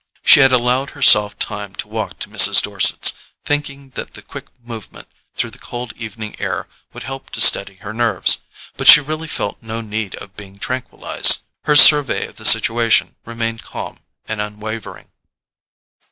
She had allowed herself time to walk to Mrs. Dorset's, thinking that the quick movement through the cold evening air would help to steady her nerves; but she really felt no need of being tranquillized. Her survey of the situation remained calm and unwavering.